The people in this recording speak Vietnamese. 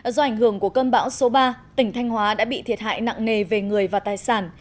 do ảnh hưởng của cơn bão số ba tỉnh thanh hóa đã bị thiệt hại nặng nề về người và tài sản